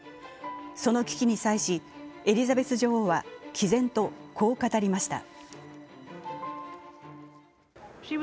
その危機に際し、エリザベス女王は毅然とこう語りました。